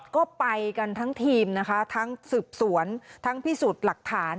ก็ไปกันทั้งทีมนะคะทั้งสืบสวนทั้งพิสูจน์หลักฐาน